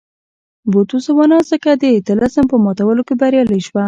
بوتسوانا ځکه د طلسم په ماتولو کې بریالۍ شوه.